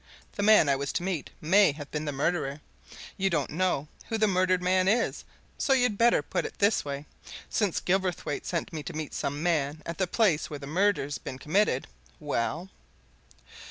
The man I was to meet may have been the murderer; you don't know who the murdered man is. So you'd better put it this way: since Gilverthwaite sent me to meet some man at the place where this murder's been committed well?"